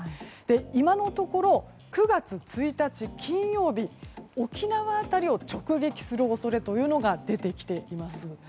今のところ、９月１日金曜日沖縄辺りを直撃する恐れが出てきています。